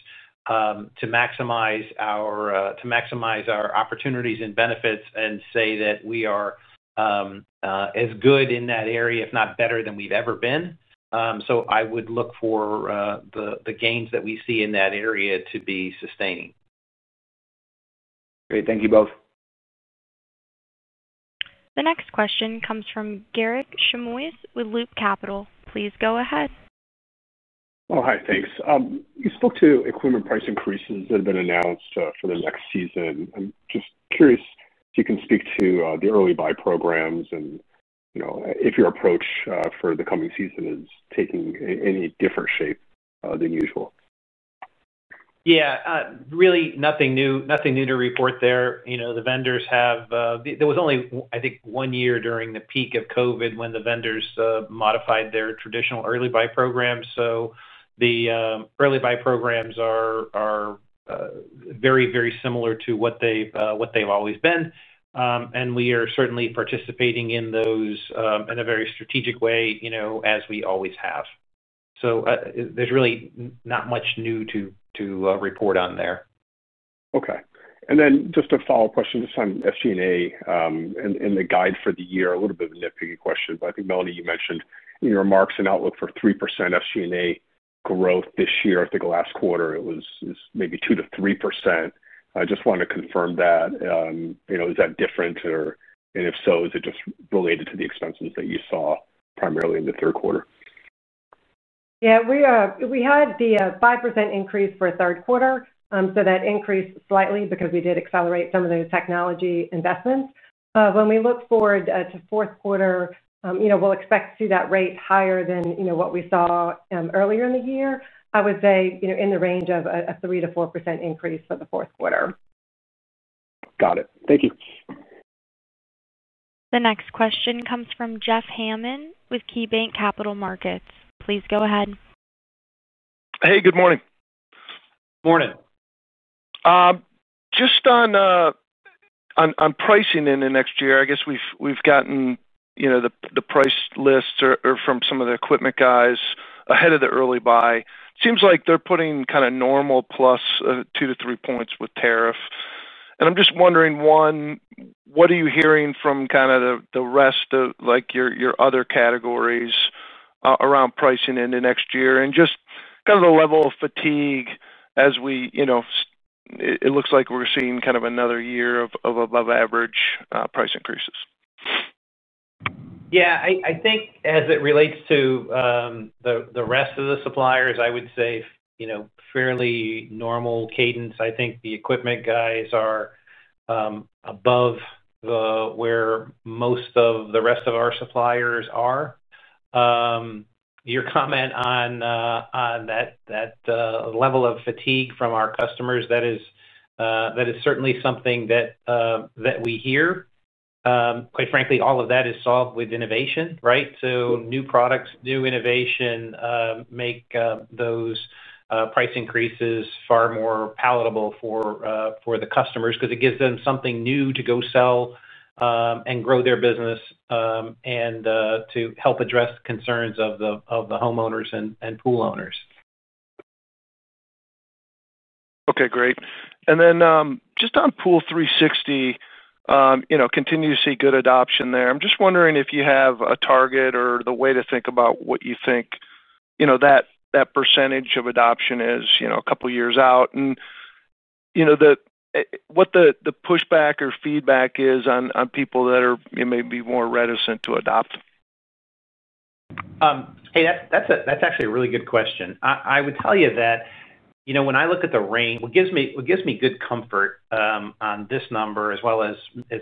to maximize our opportunities and benefits, and say that we are as good in that area, if not better than we've ever been. I would look for the gains that we see in that area to be sustaining. Great. Thank you both. The next question comes from Garik Simha Shmois with Loop Capital Markets LLC. Please go ahead. Oh, hi. Thanks. You spoke to equipment price increases that have been announced for the next season. I'm just curious if you can speak to the early buy programs and if your approach for the coming season is taking any different shape than usual. Yeah, really nothing new to report there. You know, the vendors have, there was only, I think, one year during the peak of COVID when the vendors modified their traditional early buy programs. The early buy programs are very, very similar to what they've always been, and we are certainly participating in those in a very strategic way, you know, as we always have. There's really not much new to report on there. Okay. And then just a follow-up question on SG&A and the guide for the year, a little bit of a nitpicky question. I think, Melanie, you mentioned in your remarks an outlook for 3% SG&A growth this year. I think the last quarter it was maybe 2%-3%. I just wanted to confirm that. Is that different, or? If so, is it just related to the expenses that you saw primarily in the third quarter? We had the 5% increase for a third quarter. That increased slightly because we did accelerate some of the technology investments. When we look forward to fourth quarter, we'll expect to see that rate higher than what we saw earlier in the year. I would say in the range of a 3% -4% increase for the fourth quarter. Got it. Thank you. The next question comes from Jeff Hammond with KeyBanc Capital Markets. Please go ahead. Hey, good morning. Morning. Just on pricing in the next year, I guess we've gotten the price lists from some of the equipment guys ahead of the early buy. It seems like they're putting kind of normal +2%-3% with tariff. I'm just wondering, one, what are you hearing from kind of the rest of your other categories around pricing in the next year? Just kind of the level of fatigue as we, you know, it looks like we're seeing another year of above-average price increases. Yeah, I think as it relates to the rest of the suppliers, I would say fairly normal cadence. I think the equipment guys are above where most of the rest of our suppliers are. Your comment on that level of fatigue from our customers, that is certainly something that we hear. Quite frankly, all of that is solved with innovation, right? New products, new innovation make those price increases far more palatable for the customers because it gives them something new to go sell and grow their business and to help address concerns of the homeowners and pool owners. Okay. Great. On POOL360, you know, continue to see good adoption there. I'm just wondering if you have a target or a way to think about what you think that percentage of adoption is a couple of years out, and what the pushback or feedback is on people that are maybe more reticent to adopt. Hey, that's actually a really good question. I would tell you that, you know, when I look at the range, what gives me good comfort on this number as well as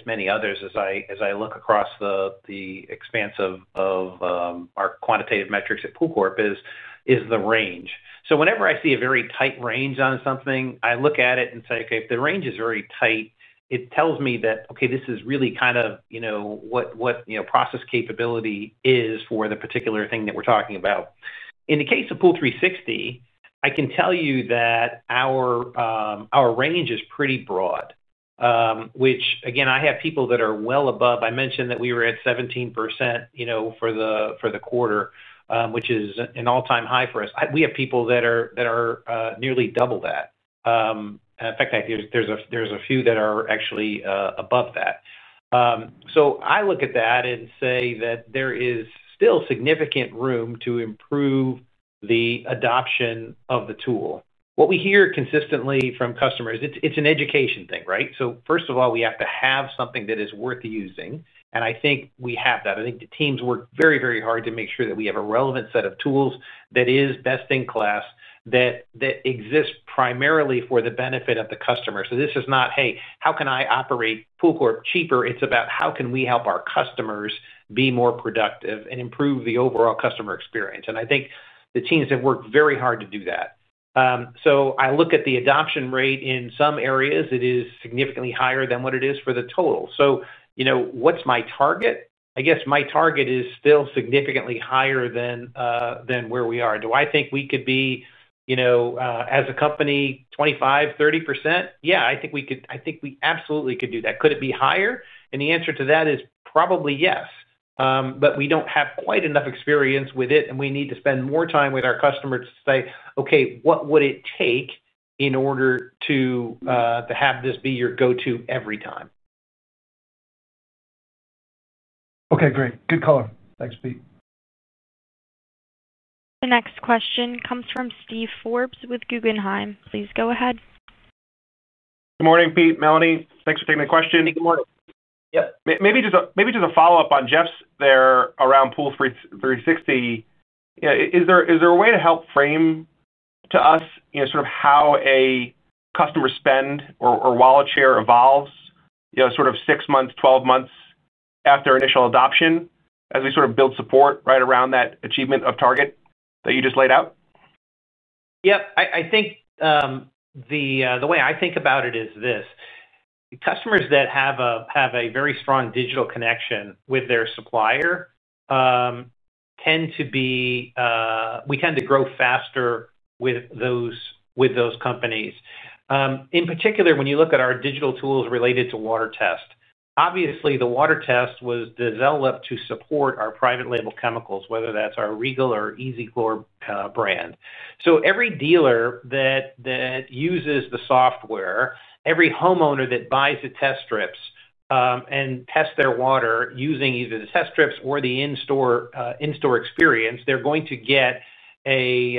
many others as I look across the expanse of our quantitative metrics at Pool Corporation is the range. Whenever I see a very tight range on something, I look at it and say, "Okay, if the range is very tight, it tells me that, okay, this is really kind of, you know, what process capability is for the particular thing that we're talking about." In the case of POOL360, I can tell you that our range is pretty broad, which, again, I have people that are well above. I mentioned that we were at 17% for the quarter, which is an all-time high for us. We have people that are nearly double that. In fact, there's a few that are actually above that. I look at that and say that there is still significant room to improve the adoption of the tool. What we hear consistently from customers, it's an education thing, right? First of all, we have to have something that is worth using. I think we have that. I think the teams work very, very hard to make sure that we have a relevant set of tools that is best in class, that exists primarily for the benefit of the customer. This is not, "Hey, how can I operate Pool Corporation cheaper?" It's about how can we help our customers be more productive and improve the overall customer experience. I think the teams have worked very hard to do that. I look at the adoption rate. In some areas, it is significantly higher than what it is for the total. You know, what's my target? I guess my target is still significantly higher than where we are. Do I think we could be, you know, as a company, 25%, 30%? Yeah, I think we absolutely could do that. Could it be higher? The answer to that is probably yes. We don't have quite enough experience with it, and we need to spend more time with our customers to say, "Okay, what would it take in order to have this be your go-to every time? Okay. Great. Good color. Thanks, Pete. The next question comes from Steve Forbes with Guggenheim. Please go ahead. Good morning, Pete, Melanie. Thanks for taking the question. Hey, good morning. Maybe just a follow-up on Jeff's there around POOL360. Is there a way to help frame to us how a customer spend or wallet share evolves, sort of 6 months, 12 months after initial adoption as we build support right around that achievement of target that you just laid out? Yep. I think the way I think about it is this: customers that have a very strong digital connection with their supplier tend to be, we tend to grow faster with those companies. In particular, when you look at our digital tools related to water test, obviously, the water test was developed to support our private label chemical products, whether that's our Regal or Easy Chlor brand. Every dealer that uses the software, every homeowner that buys the test strips and tests their water using either the test strips or the in-store experience, they're going to get a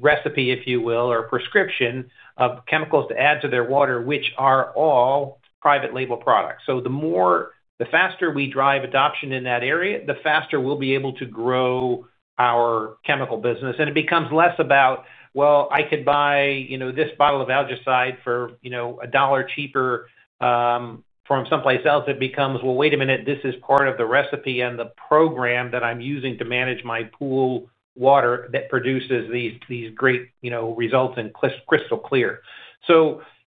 recipe, if you will, or a prescription of chemicals to add to their water, which are all private label chemical products. The faster we drive adoption in that area, the faster we'll be able to grow our chemical business. It becomes less about, "Well, I could buy this bottle of Algicide for $1 cheaper from someplace else." It becomes, "Wait a minute. This is part of the recipe and the program that I'm using to manage my pool water that produces these great results and crystal clear."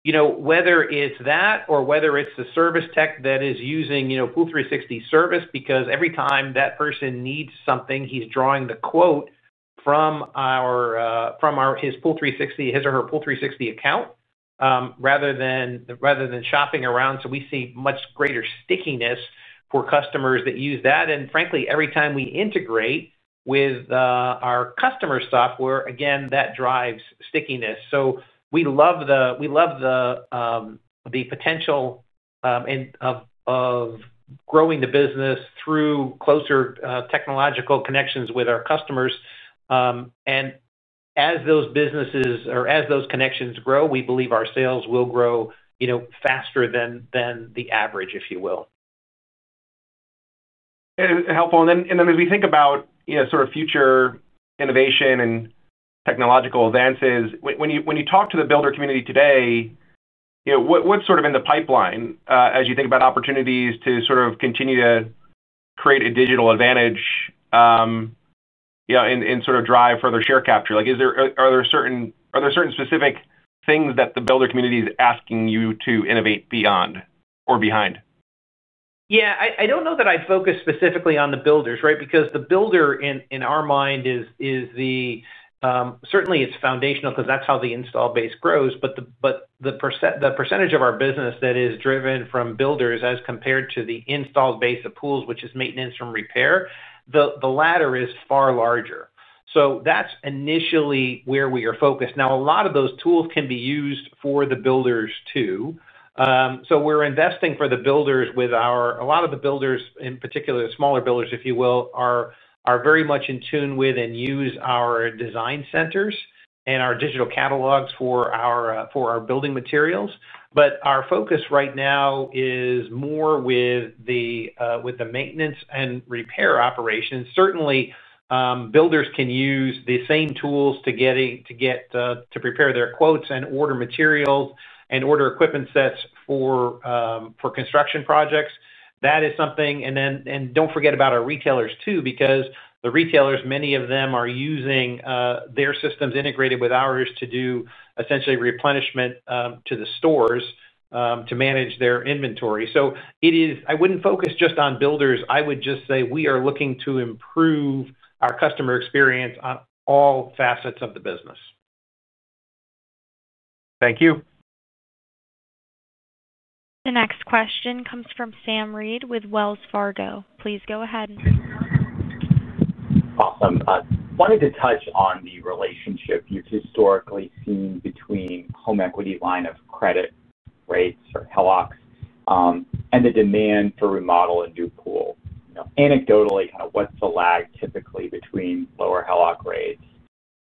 Whether it's that or whether it's the service tech that is using POOL360's service, because every time that person needs something, he's drawing the quote from his POOL360, his or her POOL360 account rather than shopping around. We see much greater stickiness for customers that use that. Frankly, every time we integrate with our customer software, again, that drives stickiness. We love the potential of growing the business through closer technological connections with our customers. As those businesses or as those connections grow, we believe our sales will grow faster than the average, if you will. Helpful. As we think about future innovation and technological advances, when you talk to the builder community today, what's in the pipeline as you think about opportunities to continue to create a digital advantage and drive further share capture? Are there certain specific things that the builder community is asking you to innovate beyond or behind? Yeah. I don't know that I focus specifically on the builders, right, because the builder, in our mind, is certainly foundational because that's how the install base grows. The percentage of our business that is driven from builders as compared to the installed base of pools, which is maintenance and repair, the latter is far larger. That's initially where we are focused. A lot of those tools can be used for the builders, too. We're investing for the builders with our, a lot of the builders, in particular, the smaller builders, if you will, are very much in tune with and use our design centers and our digital catalogs for our building materials. Our focus right now is more with the maintenance and repair operations. Certainly, builders can use the same tools to prepare their quotes and order materials and order equipment sets for construction projects. That is something. Don't forget about our retailers, too, because the retailers, many of them, are using their systems integrated with ours to do essentially replenishment to the stores to manage their inventory. I wouldn't focus just on builders. I would just say we are looking to improve our customer experience on all facets of the business. Thank you. The next question comes from Sam Reed with Wells Fargo Securities LLC. Please go ahead. Awesome. I wanted to touch on the relationship you've historically seen between home equity line of credit rates or HELOCs and the demand for remodel and new pools. Anecdotally, what's the lag typically between lower HELOC rates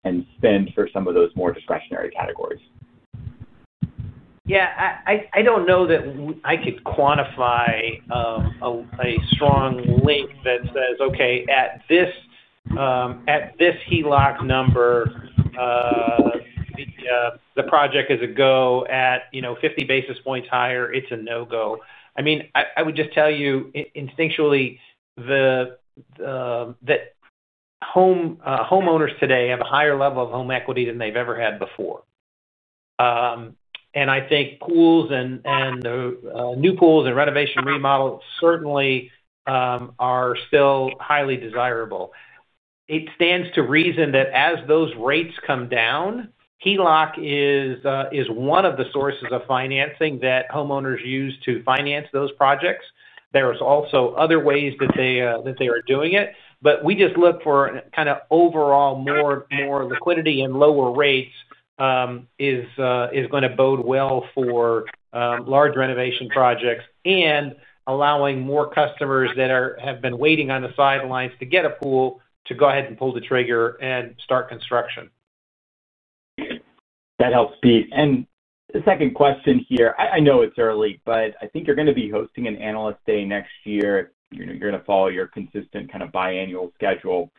and spend for some of those more discretionary categories? Yeah. I don't know that I could quantify a strong link that says, "Okay, at this HELOC number, the project is a go. At 50 basis points higher, it's a no-go." I mean, I would just tell you instinctually that homeowners today have a higher level of home equity than they've ever had before. I think pools and new pools and renovation remodels certainly are still highly desirable. It stands to reason that as those rates come down, HELOC is one of the sources of financing that homeowners use to finance those projects. There are also other ways that they are doing it. We just look for kind of overall more liquidity and lower rates is going to bode well for large renovation projects and allowing more customers that have been waiting on the sidelines to get a pool to go ahead and pull the trigger and start construction. That helps, Pete. The second question here, I know it's early, but I think you're going to be hosting an analyst day next year. You're going to follow your consistent kind of biannual schedule.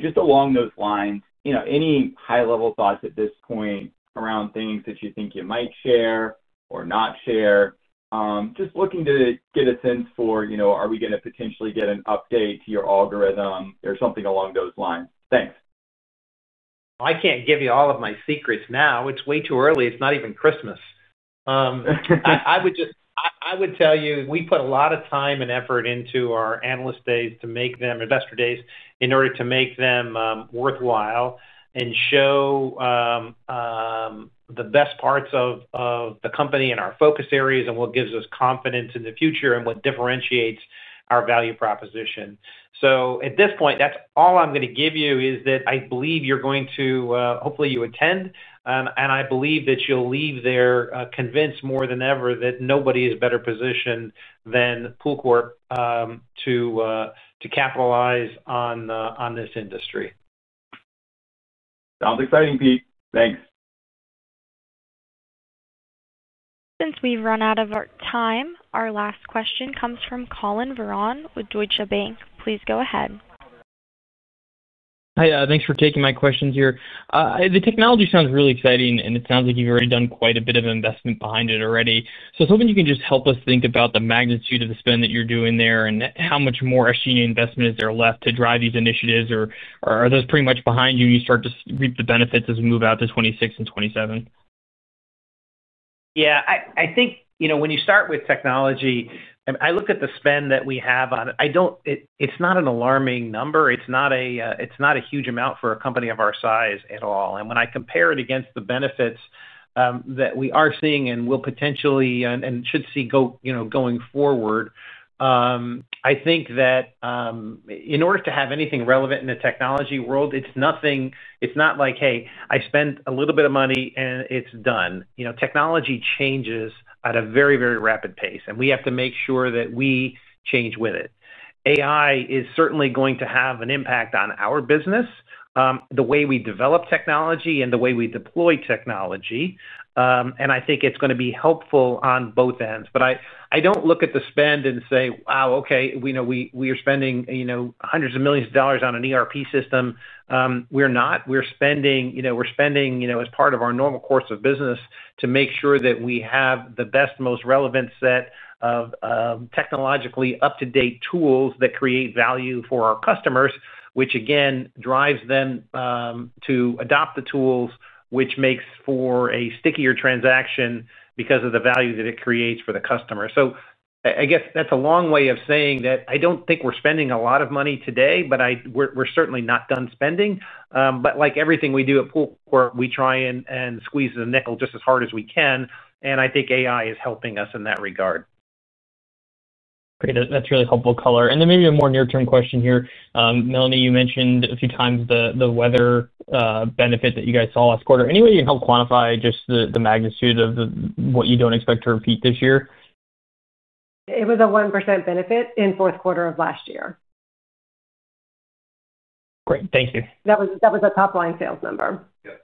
Just along those lines, any high-level thoughts at this point around things that you think you might share or not share? Just looking to get a sense for, you know, are we going to potentially get an update to your algorithm or something along those lines? Thanks. I can't give you all of my secrets now. It's way too early. It's not even Christmas. I would tell you we put a lot of time and effort into our analyst days to make them investor days in order to make them worthwhile and show the best parts of the company and our focus areas and what gives us confidence in the future and what differentiates our value proposition. At this point, that's all I'm going to give you is that I believe you're going to hopefully you attend. I believe that you'll leave there convinced more than ever that nobody is better positioned than Pool Corporation to capitalize on this industry. Sounds exciting, Pete. Thanks. Since we've run out of our time, our last question comes from Collin Andrew Verron with Deutsche Bank AG. Please go ahead. Hey, thanks for taking my questions here. The technology sounds really exciting, and it sounds like you've already done quite a bit of investment behind it already. I was hoping you can just help us think about the magnitude of the spend that you're doing there and how much more SG&A investment is there left to drive these initiatives? Are those pretty much behind you and you start to reap the benefits as we move out to 2026 and 2027? Yeah. I think, you know, when you start with technology, I look at the spend that we have on it. It's not an alarming number. It's not a huge amount for a company of our size at all. When I compare it against the benefits that we are seeing and will potentially and should see going forward, I think that in order to have anything relevant in the technology world, it's nothing. It's not like, "Hey, I spent a little bit of money and it's done." You know, technology changes at a very, very rapid pace, and we have to make sure that we change with it. AI is certainly going to have an impact on our business, the way we develop technology and the way we deploy technology. I think it's going to be helpful on both ends. I don't look at the spend and say, "Wow, okay, we are spending hundreds of millions of dollars on an ERP system." We're not. We're spending as part of our normal course of business to make sure that we have the best, most relevant set of technologically up-to-date tools that create value for our customers, which again drives them to adopt the tools, which makes for a stickier transaction because of the value that it creates for the customer. I guess that's a long way of saying that I don't think we're spending a lot of money today, but we're certainly not done spending. Like everything we do at Pool Corporation, we try and squeeze the nickel just as hard as we can. I think AI is helping us in that regard. Great. That's really helpful color. Maybe a more near-term question here. Melanie, you mentioned a few times the weather benefit that you guys saw last quarter. Any way you can help quantify just the magnitude of what you don't expect to repeat this year? It was a 1% benefit in the fourth quarter of last year. Great. Thank you. That was a top-line sales number. Yep.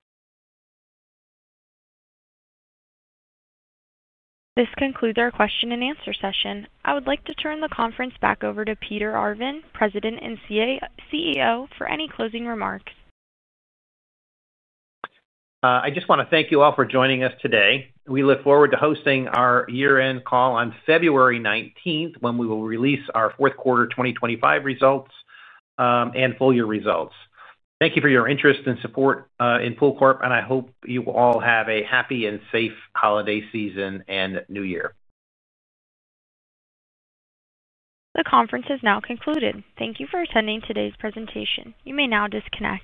This concludes our question and answer session. I would like to turn the conference back over to Peter D. Arvan, President and CEO, for any closing remarks. I just want to thank you all for joining us today. We look forward to hosting our year-end call on February 19, 2025, when we will release our fourth quarter 2024 results and full-year results. Thank you for your interest and support in Pool Corporation, and I hope you all have a happy and safe holiday season and New Year. The conference is now concluded. Thank you for attending today's presentation. You may now disconnect.